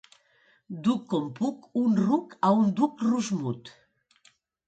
Duc com puc un ruc a un duc rus mut.